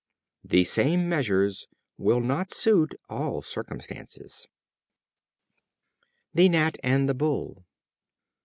The same measures will not suit all circumstances. The Gnat and the Bull.